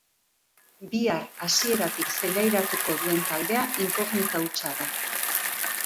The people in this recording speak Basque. Bihar hasieratik zelairatuko duen taldea inkognita hutsa da.